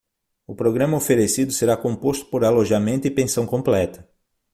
O programa oferecido será composto por alojamento e pensão completa.